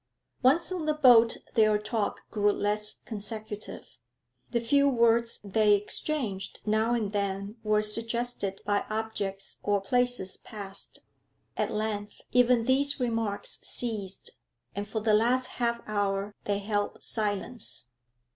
Once on the boat their talk grew less consecutive; the few words they exchanged now and then were suggested by objects or places passed. At length even these remarks ceased, and for the last half hour they held silence.